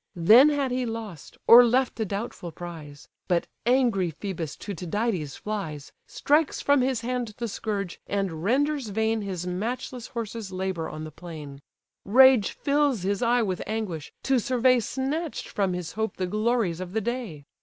Then had he lost, or left a doubtful prize; But angry Phœbus to Tydides flies, Strikes from his hand the scourge, and renders vain His matchless horses' labour on the plain. Rage fills his eye with anguish, to survey Snatch'd from his hope the glories of the day.